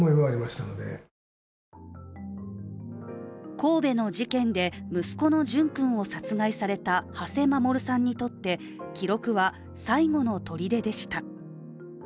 神戸の事件で、息子の淳君を殺害された土師守さんにとって記録は、最後のとりででした。